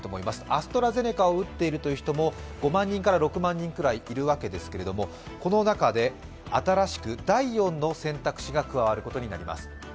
アストラゼネカを打っているという人も５万人から６万人いるということですけれどもこの中で新しく第４の選択肢が加わることになります。